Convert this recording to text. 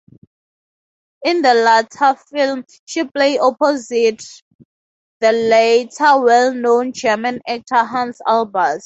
In the latter film she played opposite the later well-known German actor Hans Albers.